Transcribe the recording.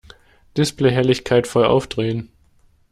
Displayhelligkeit voll aufdrehen!